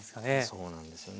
そうなんですよね。